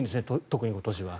特に今年は。